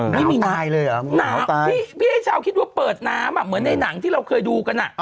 ไม่มีน้ำพี่ให้ชาวคิดว่าเปิดน้ำเหมือนในหนังที่เราเคยดูกัน